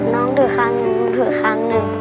น้องถือครั้งหนึ่งถือครั้งหนึ่ง